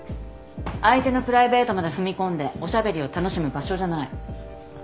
相手のプライベートまで踏み込んでおしゃべりを楽しむ場所じゃない。